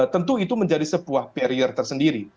tentu itu menjadi sebuah barrier tersendiri